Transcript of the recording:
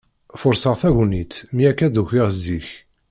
Furṣeɣ tagnit, mi akka d-ukiɣ zik.